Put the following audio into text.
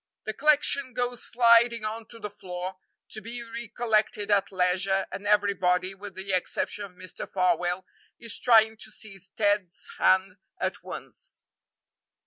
The collection goes sliding on to the floor, to be re collected at leisure, and everybody, with the exception of Mr. Farwell, is trying to seize Ted's hand at once.